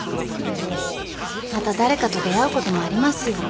また誰かと出会うこともありますよ。